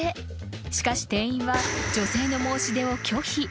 ［しかし店員は女性の申し出を拒否］